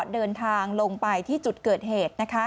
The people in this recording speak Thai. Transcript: เดินทางลงไปที่จุดเกิดเหตุ